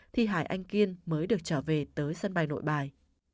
thi hải anh kiên mới được trở về tới sân bay nội bài